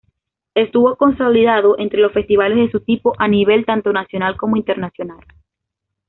Estuvo consolidado entre los festivales de su tipo a nivel tanto nacional como internacional.